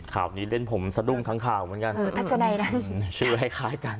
ข่าวนี้เล่นผมสะดุ้งทั้งข่าวเหมือนกันชื่อให้คล้ายกัน